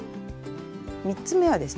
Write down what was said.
３つ目はですね